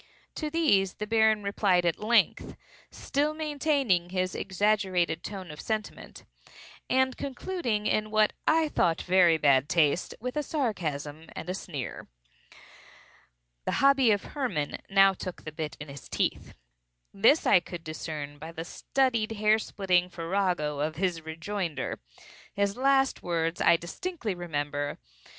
To these the Baron replied at length (still maintaining his exaggerated tone of sentiment) and concluding, in what I thought very bad taste, with a sarcasm and a sneer. The hobby of Hermann now took the bit in his teeth. This I could discern by the studied hair splitting farrago of his rejoinder. His last words I distinctly remember.